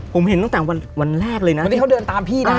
ผมเห็นตั้งแต่วันวันแรกเลยน่ะเพราะที่เขาเดินตามพี่น่ะอ่า